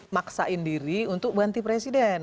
maksain diri untuk ganti presiden